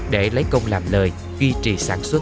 để lấy công làm lời duy trì sản xuất